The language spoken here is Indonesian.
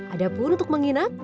ada pun untuk menginap